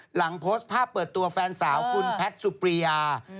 หลังโพสต์ภาพเปิดตัวแฟนสาวคุณแพทย์สุปรียา